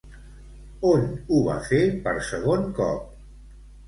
On ho va fer per segon cop?